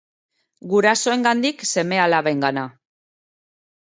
Gurasoengandik seme-alabengana.